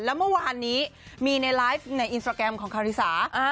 แล้วเมื่อวานนี้มีในไลฟ์ในอินสตราแกรมของคาริสา